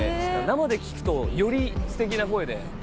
生で聞くとよりステキな声で。